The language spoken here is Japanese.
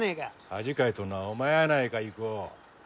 恥かいとんのはお前やないか郁夫。